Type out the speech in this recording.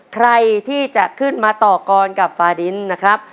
ใครที่จะขึ้นมาต่อกรกับฟาดินนะครับ